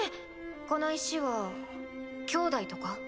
この石は兄弟とか？